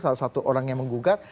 salah satu orang yang menggugat